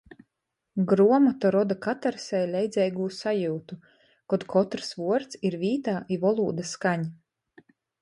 Gruomota roda katarsei leidzeigū sajiutu, kod kotrys vuords ir vītā i volūda skaņ.